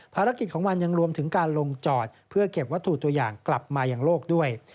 ภารกิจของมันยังรวมถึงการลงจอดเพื่อเก็บวัตถุตัวอย่างกลับมาอย่างโลกด้วย